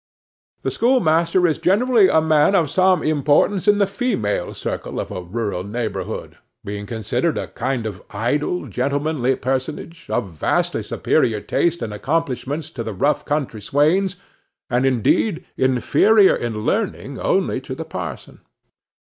The schoolmaster is generally a man of some importance in the female circle of a rural neighborhood; being considered a kind of idle, gentlemanlike personage, of vastly superior taste and accomplishments to the rough country swains, and, indeed, inferior in learning only to the parson.